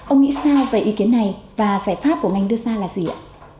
ông nghĩ sao về ý kiến này và giải pháp của ngành đưa ra là gì ạ